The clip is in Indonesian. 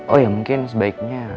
oh ya mungkin sebaiknya